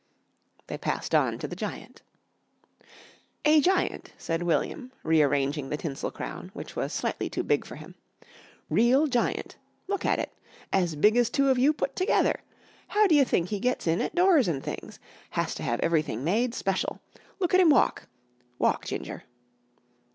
They passed on to the giant. "A giant," said William, re arranging the tinsel crown, which was slightly too big for him. "Real giant. Look at it. As big as two of you put together. How d'you think he gets in at doors and things? Has to have everything made special. Look at him walk. Walk, Ginger."